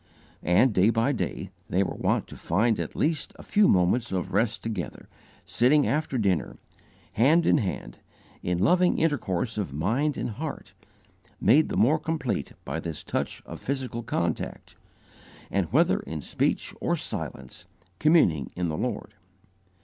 And day by day they were wont to find at least a few moments of rest together, sitting after dinner, hand in hand, in loving intercourse of mind and heart, made the more complete by this touch of physical contact, and, whether in speech or silence, communing in the Lord.